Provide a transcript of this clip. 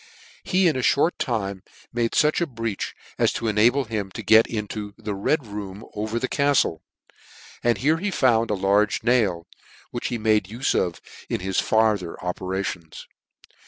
He in a fhort time made fuch a breach as to enable him to get into the Red room over the caftle ; and here he found a large nail, which he made ufe of in his farther operations.